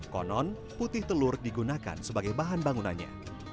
konon putih telur digunakan sebagai bahan bangunannya